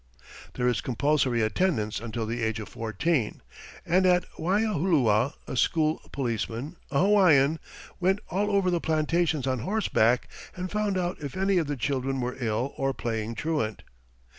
"There is compulsory attendance until the age of fourteen, and at Waialua a school policeman a Hawaiian went all over the plantations on horseback and found out if any of the children were ill or playing truant."